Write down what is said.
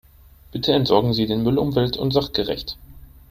Bitte entsorgen Sie den Müll umwelt- und sachgerecht.